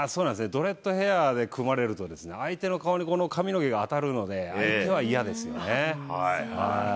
ドレッドヘアで組まれると、相手の顔にこの髪の毛が当たるので相手は嫌ですよね。